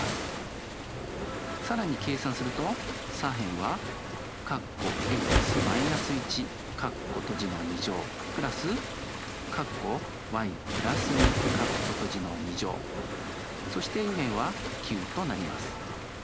更に計算すると左辺は＋そして右辺は９となります。